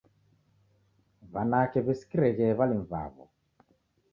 W'anake w'isikireghe w'alimu w'aw'o